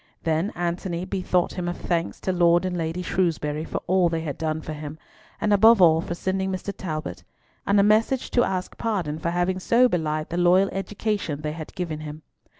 Then Antony bethought him of thanks to Lord and Lady Shrewsbury for all they had done for him, and above all for sending Mr. Talbot; and a message to ask pardon for having so belied the loyal education they had given him.